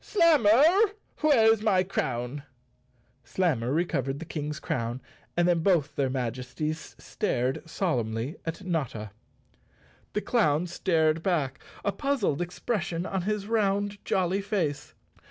Slammer, where's my crown ?" Slammer recovered the King's crown and then both their Majesties stared solemnly at Notta. The clown stared back, a puzzled expression on his round jolly face.